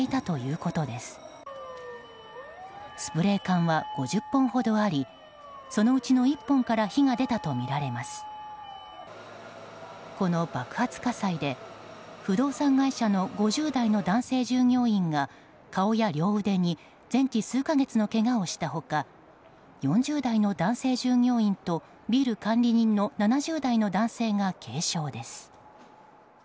この爆発火災で不動産会社の５０代の男性従業員が顔や両腕に全治数か月のけがをした他４０代の男性従業員とビル管理人の７０代の男性が軽傷です。